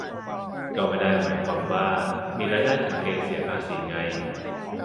ก็ไม่ได้หมายความว่ามีรายได้ถึงเกณฑ์เสียภาษีไง